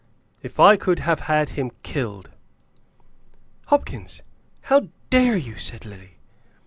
if I could have had him killed!" "Hopkins, how dare you?" said Lily.